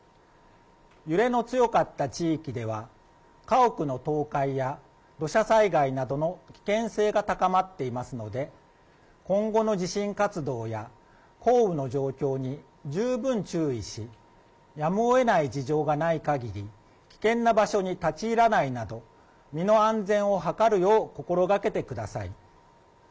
揺れの強かった地域では、家屋の倒壊や土砂災害などの危険性が高まっていますので、今後の地震活動や降雨の状況に十分注意し、やむをえない事情がないかぎり、危険な場所に立ち入らないなど、身の安全を図るよう心がけてください。